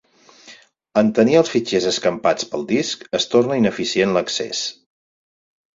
En tenir els fitxers escampats pel disc, es torna ineficient l'accés.